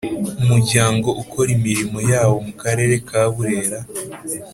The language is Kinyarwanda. Umuryango ukora imirimo yawo mu Karere ka Burera